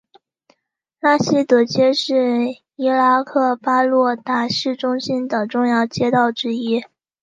拉希德街是伊拉克巴格达市中心的重要街道之一。